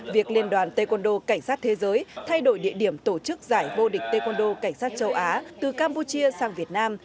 việc liên đoàn taekwondo cảnh sát thế giới thay đổi địa điểm tổ chức giải vô địch taekwondo cảnh sát châu á từ campuchia sang việt nam